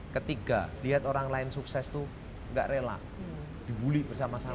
ketiga lihat orang lain sukses itu nggak rela dibully bersama sama